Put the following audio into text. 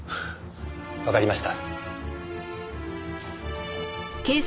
わかりました。